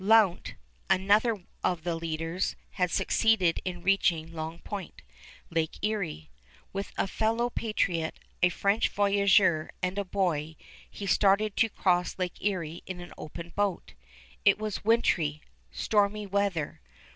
Lount, another of the leaders, had succeeded in reaching Long Point, Lake Erie. With a fellow patriot, a French voyageur, and a boy, he started to cross Lake Erie in an open boat. It was wintry, stormy weather.